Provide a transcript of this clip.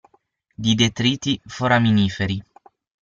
Di detriti foraminiferi.